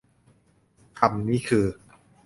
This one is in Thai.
คำนี้คือ